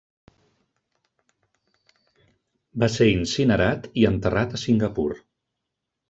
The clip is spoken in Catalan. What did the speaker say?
Va ser incinerat i enterrat a Singapur.